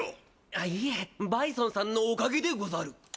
あいえバイソンさんのおかげでござる。